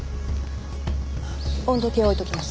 温度計を置いておきます。